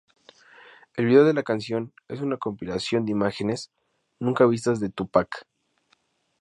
El vídeo de la canción es una compilación de imágenes nunca vistas de Tupac.